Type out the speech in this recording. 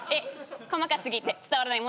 『細かすぎて伝わらないモノマネ』